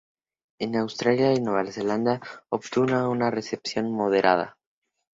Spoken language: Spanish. En Australia y Nueva Zelanda, obtuvo una recepción moderada.